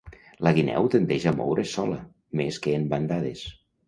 La guineu tendeix a moure's sola, més que en bandades.